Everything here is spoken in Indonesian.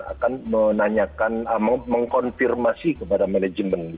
akan menanyakan mengkonfirmasi kepada manajemen